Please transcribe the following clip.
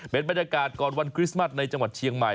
เป็นบรรยากาศก่อนวันคริสต์มัสในจังหวัดเชียงใหม่